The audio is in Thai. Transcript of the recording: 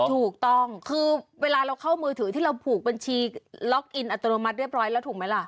ถูกต้องคือเวลาเราเข้ามือถือที่เราผูกบัญชีล็อกอินอัตโนมัติเรียบร้อยแล้วถูกไหมล่ะ